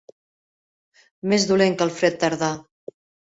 Més dolent que el fred tardà.